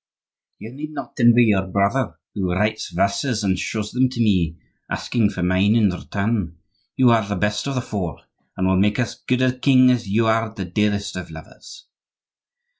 "You need not envy your brother, who writes verses and shows them to me, asking for mine in return. You are the best of the four, and will make as good a king as you are the dearest of lovers.